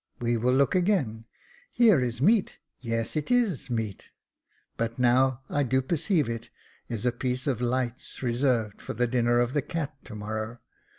We will look again. Here is meat — yes, it is meat ; but now do I perceive it is a piece of lights reserved for the dinner of the cat to morrow.